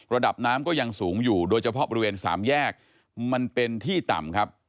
ระดับน้ำก็ยังสูงอยู่โดยเฉพาะบริเวณสามแยกมันเป็นที่ต่ำครับ